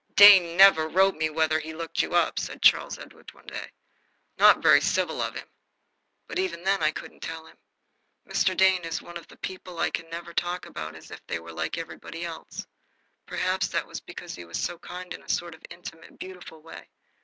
"Dane never wrote me whether he looked you up," said Charles Edward one day. "Not very civil of him." But even then I couldn't tell him. Mr. Dane is one of the people I never can talk about as if they were like everybody else. Perhaps that is because he is so kind in a sort of intimate, beautiful way.